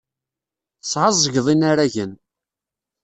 Tesɛeẓgeḍ inaragen.